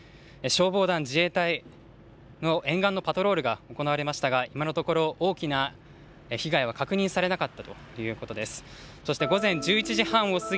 消防団、自衛隊の沿岸のパトロールが行われましたが、今のところ、大きな被害は確認されなかったということです。